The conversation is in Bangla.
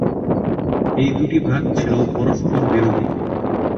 এই দুটি ভাগ ছিল পরস্পরবিরোধী।